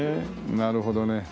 なるほどね。